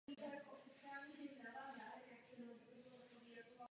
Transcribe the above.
Vztah se vyvine ve velkou lásku a oba se vezmou.